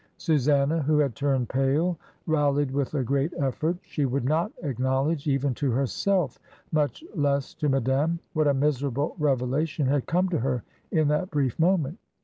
Susanna, who had turned pale, rallied with a great effort. She would not acknowledge, even to herself, much less to Madame, what a miserable revelation had come to her in that brief moment.